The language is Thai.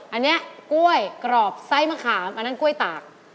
อันนี้กล้วยกรอบไส้มะขามอันนั้นกล้วยตาก